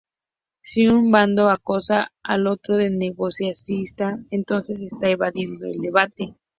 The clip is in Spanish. Si un bando acusa al otro de "negacionista", entonces está evadiendo el debate.